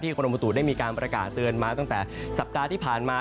กรมประตูได้มีการประกาศเตือนมาตั้งแต่สัปดาห์ที่ผ่านมา